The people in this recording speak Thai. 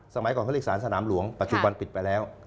สมัยก่อนเขาเรียกสารสนามหลวงปัจจุบันปิดไปแล้ว